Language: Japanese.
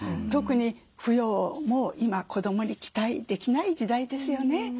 特に扶養も今子どもに期待できない時代ですよね。